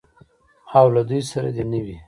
او له دوی سره دې نه وي.